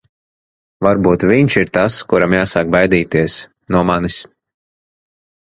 Varbūt viņš ir tas, kuram jāsāk baidīties... no manis.